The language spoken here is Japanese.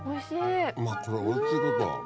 これおいしいこと。